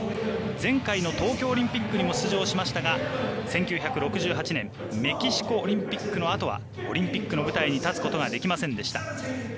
前回の東京オリンピックにも出場しましたが１９６８年メキシコオリンピックのあとはオリンピックの舞台に立つことができませんでした。